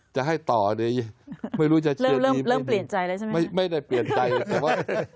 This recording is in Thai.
จะให้ต่อเนี่ยไม่รู้จะเริ่มเริ่มเปลี่ยนใจแล้วใช่ไหมไม่ได้เปลี่ยนใจแต่ว่า